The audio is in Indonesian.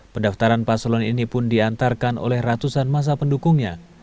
pendaftaran paslon ini pun diantarkan oleh ratusan masa pendukungnya